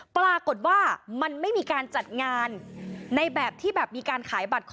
ปรากฏว่ามันไม่มีการจัดงานในแบบที่แบบมีการขายบัตรคอ